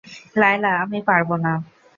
লায়লা, আমি পারব না।